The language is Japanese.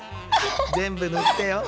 全部塗ってよ。